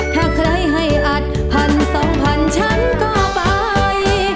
ถ้าใครให้อัดพันสองพันฉันก็ไป